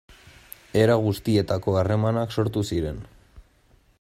Era guztietako harremanak sortu ziren.